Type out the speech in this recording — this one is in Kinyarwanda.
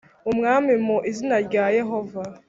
Umwami mu izina rya Yehova